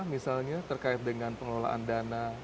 misalnya terkait dengan pengelolaan dana